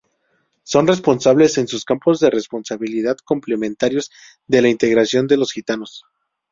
Son responsables en sus campos de responsabilidad complementarios de la integración de los gitanos.